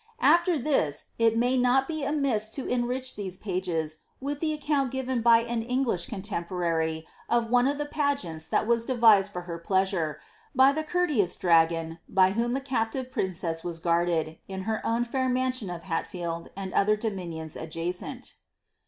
After this, it may not be amiss to enrich these pages with the account given by an English contemporary of one of the pageants that were devised for her pleasure, by the courteous dragon by whom the captive princess was guarded, in her own fair mansion of Hatfield and other domains adjacent.'